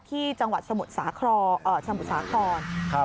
ที่จังหวัดสมุดสาครออกมา